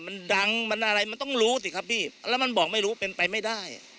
มันดังมันอะไรมันต้องรู้สิครับพี่แล้วมันบอกไม่รู้เป็นไปไม่ได้